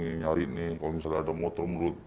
mencari nih kalau misalnya ada motor menurut